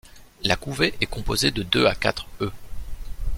La couvée est composée de deux à quatre œufs.